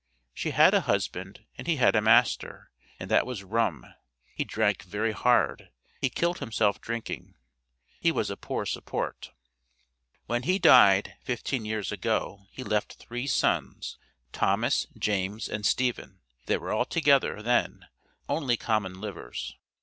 She had a husband, and he had a master, and that was rum; he drank very hard, he killed himself drinking. He was poor support. When he died, fifteen years ago, he left three sons, Thomas, James, and Stephen, they were all together then, only common livers.